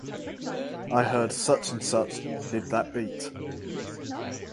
I heard such and such did that beat.